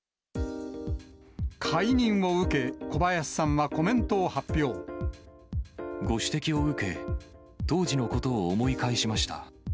解任を受け、小林さんはコメご指摘を受け、当時のことを思い返しました。